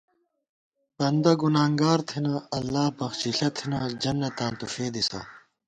بندہ گُنانگار تھنہ اللہ بخچِݪہ تھنہ جنتاں تُو فېدِسہ